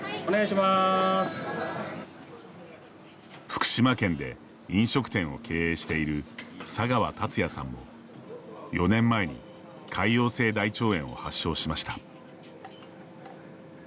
福島県で飲食店を経営している佐川達也さんも、４年前に潰瘍性大腸炎を発症しました。